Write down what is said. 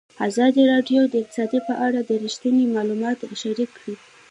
ازادي راډیو د اقتصاد په اړه رښتیني معلومات شریک کړي.